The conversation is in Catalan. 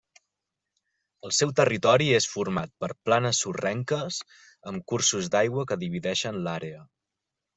El seu territori és format per planes sorrenques, amb cursos d'aigua que divideixen l'àrea.